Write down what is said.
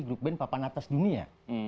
grup band papan atas dunia